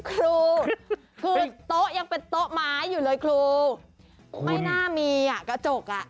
ครูคือโต๊ะยังเป็นโต๊ะไม้อยู่เลยครูไม่น่ามีอ่ะกระจกอ่ะ